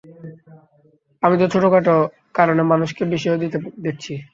আমি তো ছোটখাট কারণে মানুষকে বিষও দিতে দেখেছি।